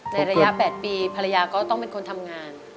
ระยะ๘ปีภรรยาก็ต้องเป็นคนทำงาน